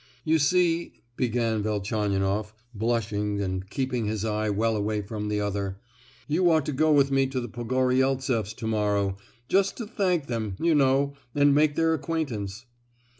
"You see," began Velchaninoff, blushing and keeping his eye well away from the other, "you ought to go with me to the Pogoryeltseffs to morrow—just to thank them, you know, and make their acquaintance."